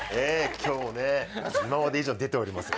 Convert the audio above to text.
今まで以上に出ておりますよ